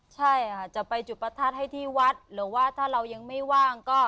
ใช่ค่ะจะไปจุดประทัดให้ที่วัดหรือว่าถ้าเรายังไม่ว่างก็